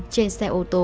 trên xe ô tô